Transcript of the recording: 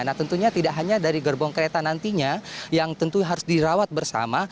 nah tentunya tidak hanya dari gerbong kereta nantinya yang tentu harus dirawat bersama